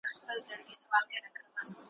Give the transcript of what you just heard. الله تعالی اسحاق عليه السلام ته نبوت ورکړی وو.